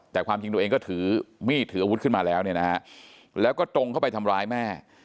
แต่ความจริงตัวเองก็ถือมีดถืออาวุธขึ้นมาแล้วเนี่ยนะฮะแล้วก็ตรงเข้าไปทำร้ายแม่